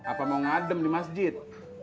apa mau ngadem di masjid